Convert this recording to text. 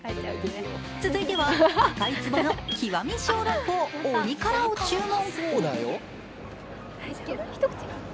続いては赤い壺の極み小籠包鬼辛を注文。